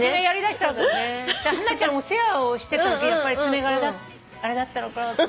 お世話をしてたときやっぱり爪があれだったのかなと。